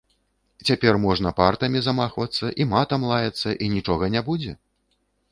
Цяпер можна партамі замахвацца і матам лаяцца, і нічога не будзе?